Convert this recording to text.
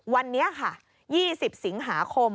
วันนี้ค่ะ๒๐สิงหาคม